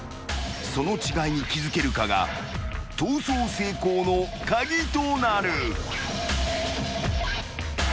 ［その違いに気付けるかが逃走成功の鍵となる］